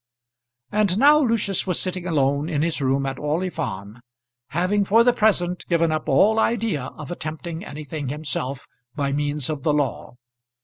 And now Lucius was sitting alone in his room at Orley Farm, having, for the present, given up all idea of attempting anything himself by means of the law.